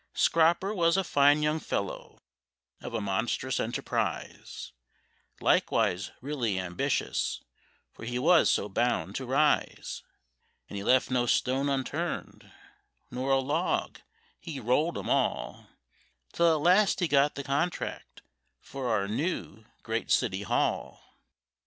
Scroper was a fine young fellow, of a monstrous enterprise; Likewise really ambitious, for he was so bound to rise, And he left no stone unturned—nor a log—he rolled 'em all, Till at last he got the contract for our new great City Hall.